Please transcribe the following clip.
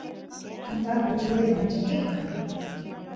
tutapi turay manchkilu kan